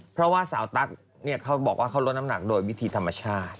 เพราะว่าสาวตั๊กเขาบอกว่าเขาลดน้ำหนักโดยวิธีธรรมชาติ